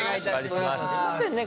すいませんね。